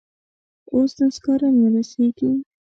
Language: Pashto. اوس نو سکاره نه رسیږي.